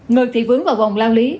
người thì vướng vào vòng lao lý